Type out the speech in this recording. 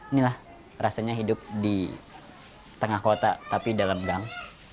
inilah rasanya hidup di tengah kota tapi dalam gang